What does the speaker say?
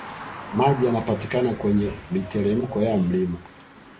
Maji yanapatikana kwenye mitelemko ya mlima